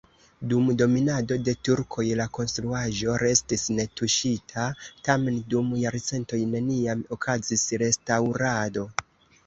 Dum dominado de turkoj la konstruaĵo restis netuŝita, tamen dum jarcentoj neniam okazis restaŭrado.